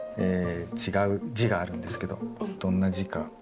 違う字があるんですけどどんな字か。